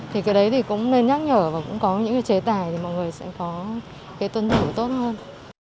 thì cái đấy thì cũng nên nhắc nhở và cũng có những cái chế tài để mọi người sẽ có cái tuân thủ tốt hơn